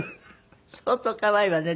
相当可愛いわねでもね。